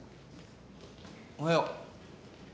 おはよう。